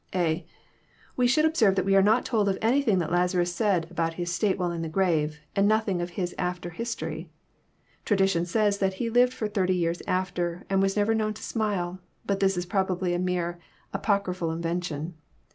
(a) We should observe that we are not told of anything that Lazarus said about bis state while in the grave, and nothing of Ms after history. Tradition says that he lived for thirty years after, and was never known to smile; but this is probably a mere apocryphal invention.